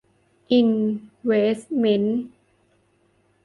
อินเวสต์เมนต์